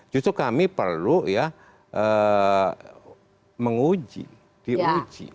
justru kami perlu ya menguji diuji